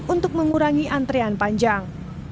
untuk mengurangi antrean panjang